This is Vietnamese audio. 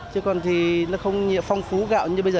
chứ còn thì nó không phong phú gạo như bây giờ